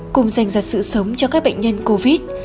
cùng dành ra sự sống cho các bệnh nhân covid một mươi chín